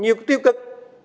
nhiều cái tiêu cực